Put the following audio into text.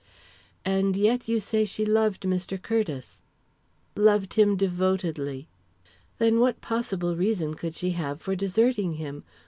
"And yet you say she loved Mr. Curtiss?" "Loved him devotedly." "Then what possible reason could she have for deserting him?